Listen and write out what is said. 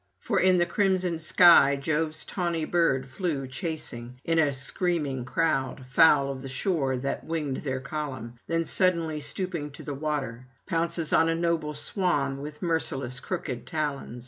For on the crimsoned sky Jove's tawny bird flew chasing, in a screaming crowd, fowl of the shore that winged their column; then suddenly stooping to the water, pounces on a noble swan with merciless crooked talons.